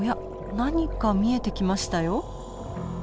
何か見えてきましたよ。